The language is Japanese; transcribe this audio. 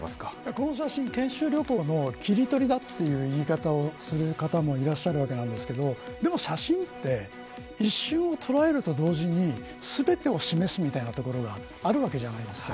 この写真、研修旅行の切り取りだという言い方をする方もいらっしゃるわけなんですけどでも写真って一瞬を捉えると同時に全てを示すみたいなところがあるわけじゃないですか。